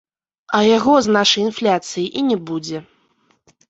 А яго, з нашай інфляцыяй, і не будзе.